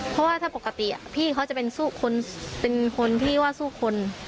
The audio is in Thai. เพราะว่าถ้าปกติพี่เขาจะเป็นคนเป็นคนที่ว่าสู้คน